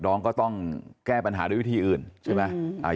น้องก็ต้องแก้ปัญหาด้วยวิธีอื่นใช่ไหม